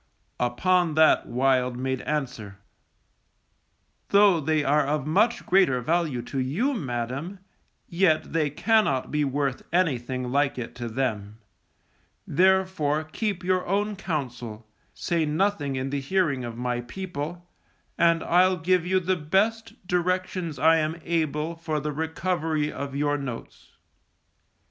Upon that Wild made answer, _Though they are of much greater value to you, madam, yet they cannot be worth anything like it to them; therefore keep your own counsel, say nothing in the hearing of my people, and I'll give you the best, directions I am able for the recovery of your notes.